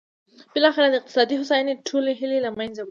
بالاخره د اقتصادي هوساینې ټولې هیلې له منځه وړي.